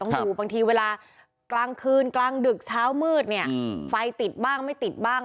อยู่บางทีเวลากลางคืนกลางดึกเช้ามืดเนี่ยไฟติดบ้างไม่ติดบ้าง